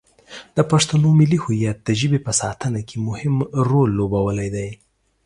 د پښتنو ملي هویت د ژبې په ساتنه کې مهم رول لوبولی دی.